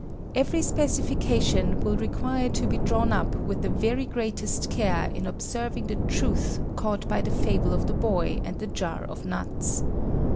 Every specification will require to be drawn up with the very greatest care in observing the truth taught by the fable of the boy and the jar of nuts.